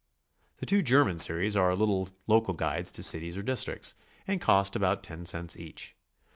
The two German series are little local guides to cities or districts, and cost about ten cents each.